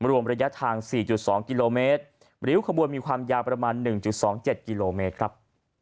รวมระยะทาง๔๒กิโลเมตรริ้วขบวนมีความยาวประมาณ๑๒๗กิโลเมตรครับ